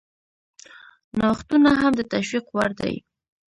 نوښتونه هم د تشویق وړ دي.